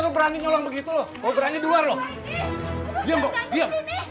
lo udah nikmati sama gue